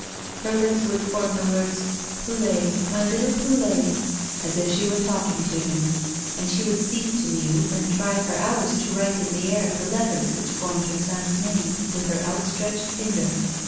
Her lips would form the words, " Poulet, my little Poulet," as if she were talking to him, and she would cease to muse, and try for hours to write in the air the letters which formed her son's name, with her outstretched finger.